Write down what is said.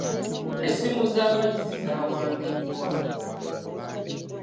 Essimu z'abayizi zaawambiddwa.